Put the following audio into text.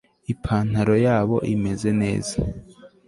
Ipantaro yabo imeze neza